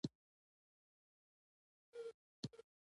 نجلۍ زړه خوږه ده.